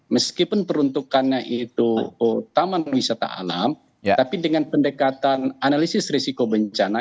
meskipun peruntukannya itu taman wisata alam tapi dengan pendekatan analisis risiko bencana